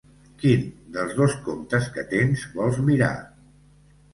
Quin dels dos comptes que tens vols mirar?